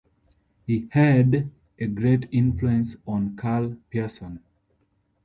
He had a great influence on Karl Pearson.